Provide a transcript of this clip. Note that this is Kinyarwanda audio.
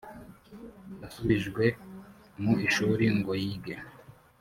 yasubijwe mu ishuri ngoyige .